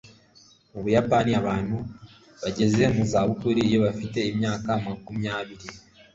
Mu Buyapani abantu bageze mu za bukuru iyo bafite imyaka makumyabiri